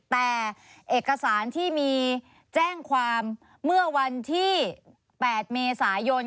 แต่เอกสารที่มีแจ้งความเมื่อวันที่๘เมษายน